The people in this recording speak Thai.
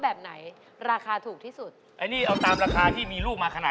เข้าไปถูกผ่านในเลยจะออกมาอีกรอบหน้า